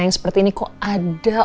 yang seperti ini kok ada